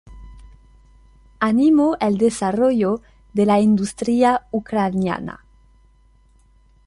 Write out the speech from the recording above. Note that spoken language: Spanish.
Animó el desarrollo de la industria ucraniana.